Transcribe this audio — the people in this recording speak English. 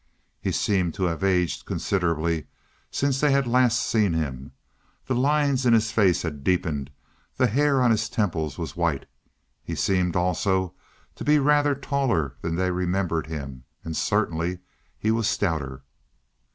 He seemed to have aged considerably since they had last seen him. The lines in his face had deepened; the hair on his temples was white. He seemed also to be rather taller than they remembered him, and certainly he was stouter.